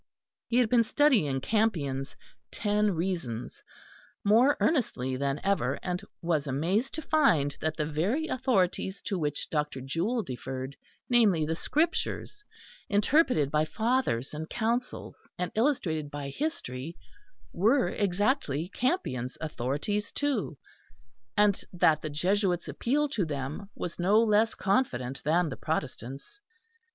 He had been studying Campion's "Ten Reasons" more earnestly than ever, and was amazed to find that the very authorities to which Dr. Jewel deferred, namely, the Scriptures interpreted by Fathers and Councils and illustrated by History, were exactly Campion's authorities, too; and that the Jesuit's appeal to them was no less confident than the Protestant's.